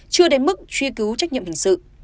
chưa đến mức truy cứu trách nhiệm hình sự